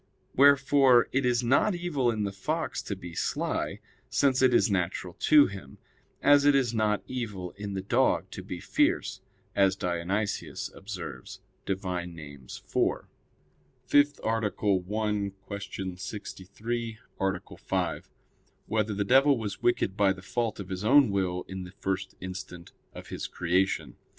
Wherefore it is not evil in the fox to be sly, since it is natural to him; as it is not evil in the dog to be fierce, as Dionysius observes (De Div. Nom. iv). _______________________ FIFTH ARTICLE [I, Q. 63, Art. 5] Whether the Devil Was Wicked by the Fault of His Own Will in the First Instant of His Creation?